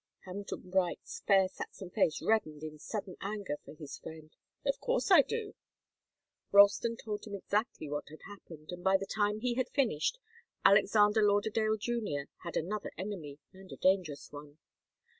Hamilton Bright's fair Saxon face reddened in sudden anger for his friend. "Of course I do." Ralston told him exactly what had happened, and by the time he had finished, Alexander Lauderdale Junior had another enemy, and a dangerous one.